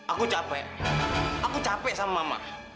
aku capek aku capek sama mama